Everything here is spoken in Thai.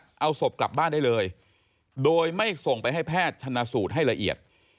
เอาศพกลับบ้านได้เลยโดยไม่ส่งไปให้แพทย์ชนะสูตรให้ละเอียด